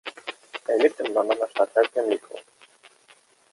Er lebt im Londoner Stadtteil Pimlico.